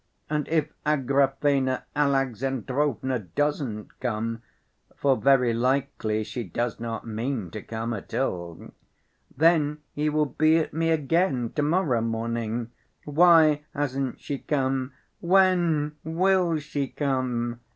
And if Agrafena Alexandrovna doesn't come (for very likely she does not mean to come at all) then he will be at me again to‐morrow morning, 'Why hasn't she come? When will she come?